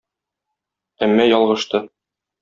Әмма ялгышты.